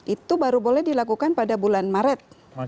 itu baru boleh dilakukan pada bulan maret